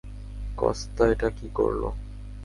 Costa এটা কি করলো!